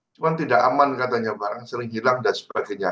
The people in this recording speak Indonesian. cuma tidak aman katanya barang sering hilang dan sebagainya